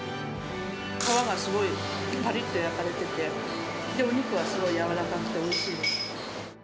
皮がすごいぱりっと焼かれてて、で、お肉はすごくやわらかくておいしいです。